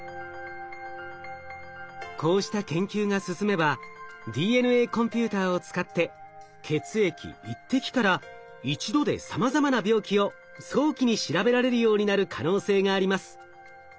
こうした研究が進めばＤＮＡコンピューターを使って血液１滴から一度でさまざまな病気を早期に調べられるようになる可能性があります。